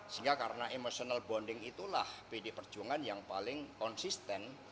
sehingga karena emotional bonding itulah pd perjuangan yang paling konsisten